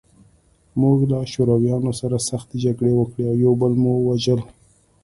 موږ له شورویانو سره سختې جګړې وکړې او یو بل مو وژل